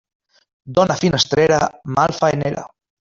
Dona finestrera, malfaenera.